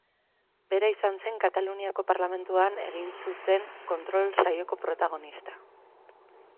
Bera izan zen Kataluniako Parlamentuan egin zuten kontrol saioko protagonista.